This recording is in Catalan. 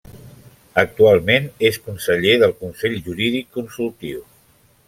Actualment és conseller del Consell Jurídic Consultiu.